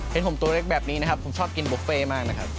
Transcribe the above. เห็นผมตัวเล็กแบบนี้นะครับผมชอบกินบุฟเฟ่มากนะครับ